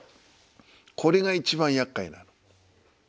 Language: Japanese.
これが一番やっかいなの。